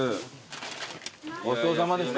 ごちそうさまでした。